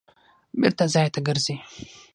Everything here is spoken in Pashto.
بېرته ځای ته ګرځي.